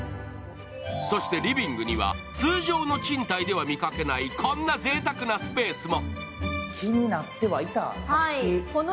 そして、リビングには通常の賃貸では見かけないこんなぜいたくなスペースも。